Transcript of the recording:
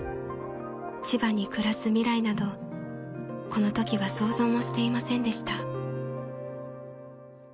［千葉に暮らす未来などこのときは想像もしていませんでした］